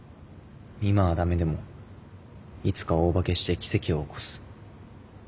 今はダメでもいつか大化けして奇跡を起こす。